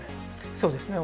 そうですね